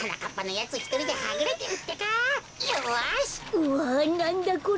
うわなんだこれ。